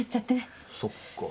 そっか。